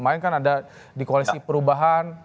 main kan ada di koalisi perubahan